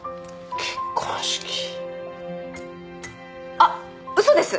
あっ嘘です！